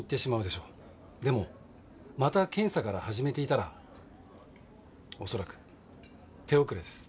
でもまた検査から始めていたら恐らく手遅れです。